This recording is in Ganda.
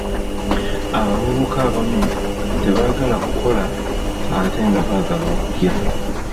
Abavubuka abamu tebaagala kukola ate nga baagala okulya.